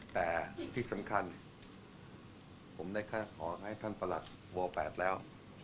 แต่ที่สำคัญผมได้ขอให้ท่านประหลัดว๘แล้ว